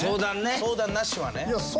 相談なしはね。